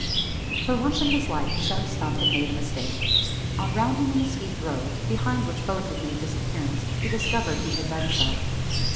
For once in his life, Zeb Stump had made a mistake. On rounding the mezquite grove, behind which both had made disappearance, he discovered he had done so.